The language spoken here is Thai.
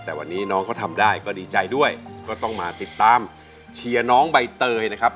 แต่วันนี้น้องเขาทำได้ก็ดีใจด้วยก็ต้องมาติดตามเชียร์น้องใบเตยนะครับ